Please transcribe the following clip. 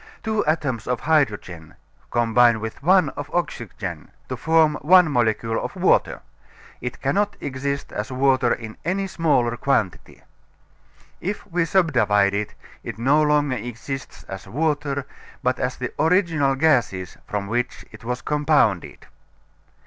Two atoms of hydrogen combine with one of oxygen to form one molecule of water. It cannot exist as water in any smaller quantity. If we subdivide it, it no longer exists as water, but as the original gases from which it was compounded.